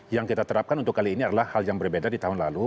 yang kita terapkan untuk kali ini adalah hal yang berbeda di tahun lalu